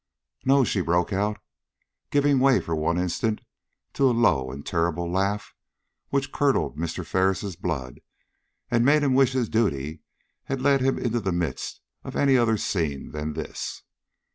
"No?" she broke out, giving way for one instant to a low and terrible laugh which curdled Mr. Ferris' blood and made him wish his duty had led him into the midst of any other scene than this.